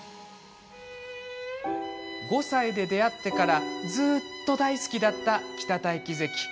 ５歳で出会ってからずっと大好きだった北太樹関。